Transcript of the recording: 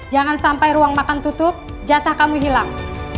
jangan sampai ruang makan tutup jatah kamu hilang